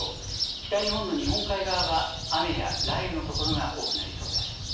北日本の日本海側は雨や雷雨の所が多くなりそうです。